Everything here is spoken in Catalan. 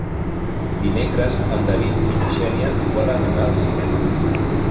Dimecres en David i na Xènia volen anar al cinema.